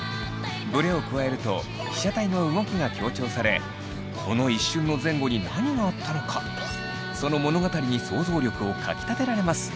ブレを加えると被写体の動きが強調されこの一瞬の前後に何があったのかその物語に想像力をかきたてられます。